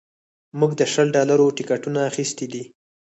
موږ د شل ډالرو ټکټونه اخیستي دي